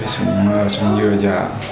sống dừa dạ